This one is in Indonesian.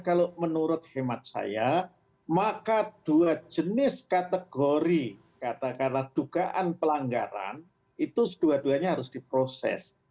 kalau menurut hemat saya maka dua jenis kategori katakanlah dugaan pelanggaran itu dua duanya harus diproses